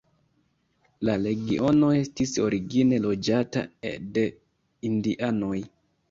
La regiono estis origine loĝata de indianoj.